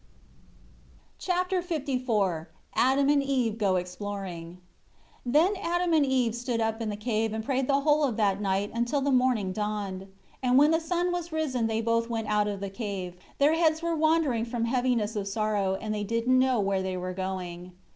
Chapter LIV Adam and Eve go exploring. 1 Then Adam and Eve stood up in the cave and prayed the whole of that night until the morning dawned. And when the sun was risen they both went out of the cave; their heads were wandering from heaviness of sorrow and they didn't know where they were going.